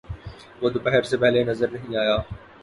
وہ دوپہر سے پہلے نظر نہیں آیا۔